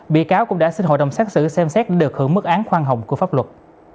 bị cáo cũng đã xin hội đồng xác xử xem xét được hưởng mức án khoan hồng của pháp luật